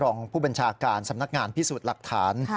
รองผู้บัญชาการสำนักงานพิสูจน์หลักฐาน